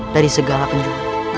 dari segala penjuru